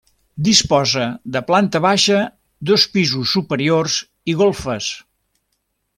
Disposa de planta baixa, dos pisos superiors i golfes.